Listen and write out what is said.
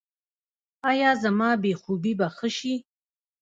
ایا زما بې خوبي به ښه شي؟